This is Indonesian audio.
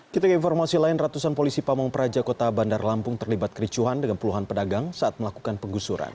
kita ke informasi lain ratusan polisi pamung praja kota bandar lampung terlibat kericuhan dengan puluhan pedagang saat melakukan penggusuran